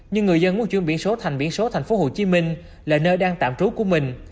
nhưng người dân muốn chuyển biển số thành biển số tp hcm là nơi đang tạm trú của mình